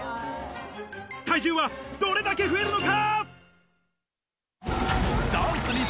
体重はどれだけ増えるのか？